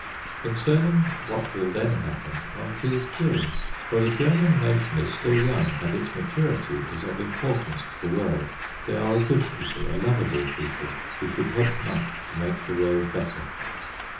Concerning what will then happen one feels curious. For the German nation is still young, and its maturity is of importance to the world. They are a good people, a lovable people, who should help much to make the world better.